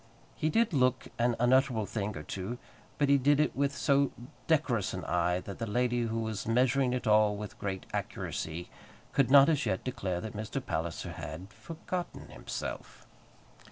He did look an unutterable thing or two; but he did it with so decorous an eye, that the lady, who was measuring it all with great accuracy, could not, as yet, declare that Mr. Palliser had "forgotten himself."